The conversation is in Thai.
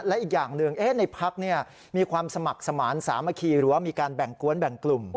และอีกอย่างหนึ่งในพักมีความสมัครสมาร์ทสามัคคีหรือว่ามีการแบ่งกวนแบ่งกลุ่ม